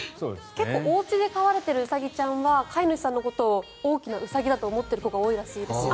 結構おうちで飼われているウサギちゃんは飼い主さんのことを大きなウサギさんと思っている子が多いらしいです。